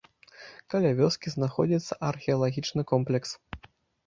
Каля вёскі знаходзіцца археалагічны комплекс.